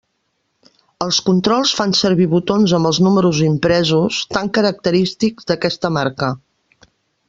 Els controls fan servir botons amb els números impresos, tan característics d'aquesta marca.